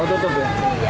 oh tutup ya